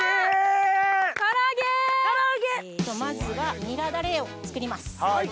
まずはニラダレを作ります。